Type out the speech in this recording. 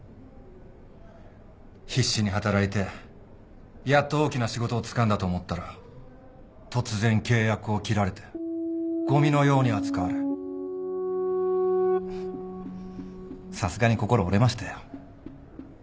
必死に働いてやっと大きな仕事をつかんだと思ったら突然契約を切られてごみのように扱われさすがに心折れましたよ。